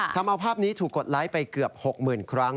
ทำเอาภาพนี้ถูกกดไลค์ไปเกือบ๖๐๐๐ครั้ง